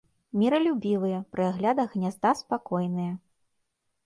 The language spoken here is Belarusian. Міралюбівыя, пры аглядах гнязда спакойныя.